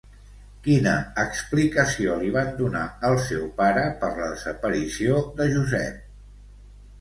Quina explicació li van donar al seu pare per la desaparició de Josep?